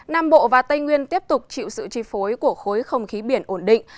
nam bộ và tây nguyên tiếp tục chịu sự chi phối của khối không khí biển ổn định